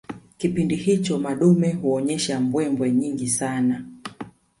Kipindi hicho madume huonyesha mbwembwe nyingi sana